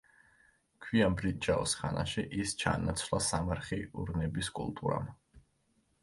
გვიან ბრინჯაოს ხანაში ის ჩაანაცვლა სამარხი ურნების კულტურამ.